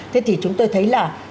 thế thì chúng tôi thấy là